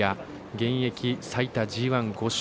現役最多ＧＩ、５勝。